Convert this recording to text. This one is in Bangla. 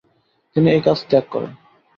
তিনি এই কাজ ত্যাগ করেন।